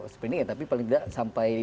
spending ya tapi paling tidak sampai